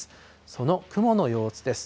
その雲の様子です。